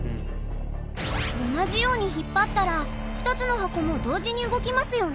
同じように引っ張ったら２つの箱も同時に動きますよね。